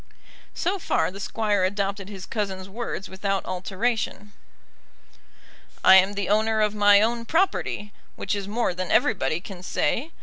So far the Squire adopted his cousin's words without alteration. I am the owner of my own property, which is more than everybody can say.